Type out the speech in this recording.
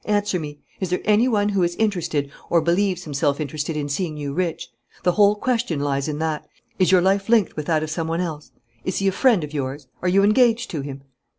Answer me. Is there any one who is interested or believes himself interested in seeing you rich? The whole question lies in that. Is your life linked with that of some one else? Is he a friend of yours? Are you engaged to him?"